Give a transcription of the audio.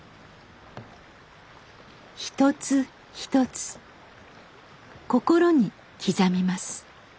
一つ一つ心に刻みます。